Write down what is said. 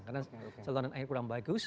karena saluran air kurang bagus